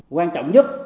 quan trọng nhất